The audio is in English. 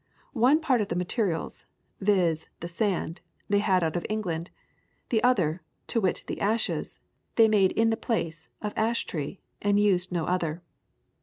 One part of the materials, viz., the sand, they had out of England; the other, to wit the ashes, they made in the place of ash tree, and used no other.